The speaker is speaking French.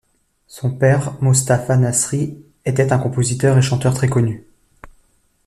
Son père, Mostafa Nasri était un compositeur et chanteur très connu.